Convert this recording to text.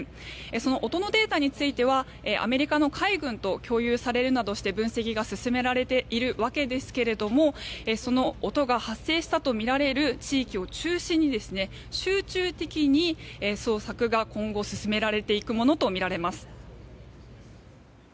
その音のデータについてはアメリカの海軍と共有されるなどして分析が進められているわけですがその音が発生したとみられる地域を中心に集中的に捜索が今後進められていくものとみられます。